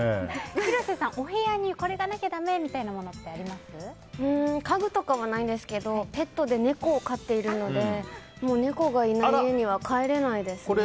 広瀬さん、お部屋にこれがなきゃだめみたいなもの家具とかはないんですけどペットで猫を飼っているので猫がいない家には帰れないですね。